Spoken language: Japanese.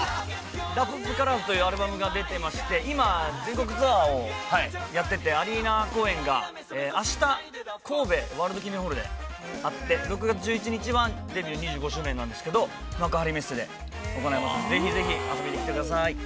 「ＤＡＰＯＰＣＯＬＯＲＳ」というアルバムが出てまして今、全国ツアーをやっててアリーナ公演が、あした神戸ワールド記念ホールであって６月１１日はデビュー２５周年なんですけど幕張メッセで行いますのでぜひぜひ、遊びに来てください。